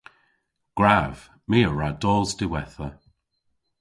Gwrav. My a wra dos diwettha.